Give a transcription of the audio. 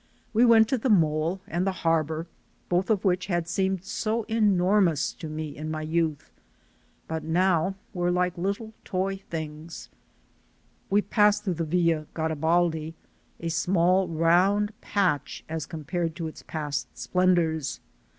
We went to the mole and the harbor, both of which had seemed so enormous to me in my youth, but now were little toy things ; we passed through the Villa Garibaldi, a small round patch as compared to its past splendors.